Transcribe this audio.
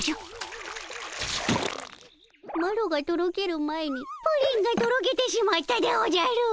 マロがとろける前にプリンがとろけてしまったでおじゃる！